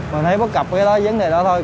mình thấy bất cập cái đó vấn đề đó thôi